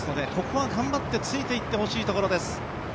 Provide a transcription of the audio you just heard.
ここは頑張ってついて行ってほしいところです。